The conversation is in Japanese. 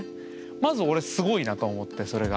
まず俺すごいなと思ってそれが。